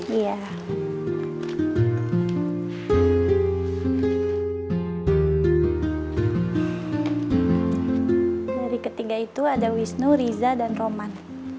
dari ketiga itu ada wisnu riza dan roman